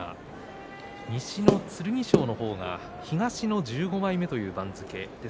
西の剣翔の方が東の１５枚目ということです。